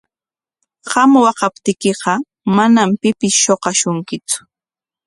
Qam waqaptiykiqa manam pipis shuqashunkitsu.